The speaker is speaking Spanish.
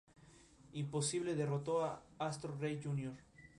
Imposible derrotó a Astro Rey, Jr.